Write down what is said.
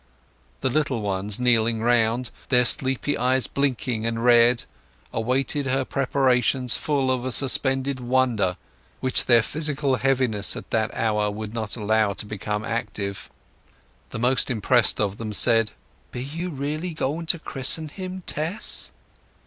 The little ones kneeling round, their sleepy eyes blinking and red, awaited her preparations full of a suspended wonder which their physical heaviness at that hour would not allow to become active. The most impressed of them said: "Be you really going to christen him, Tess?"